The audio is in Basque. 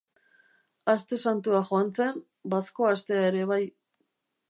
Aste santua joan zen, bazko astea ere bai.